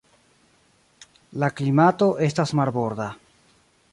La klimato estas marborda.